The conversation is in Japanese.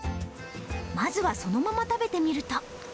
まずはそのまま食べてみると。